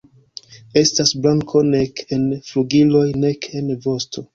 Estas blanko nek en flugiloj nek en vosto.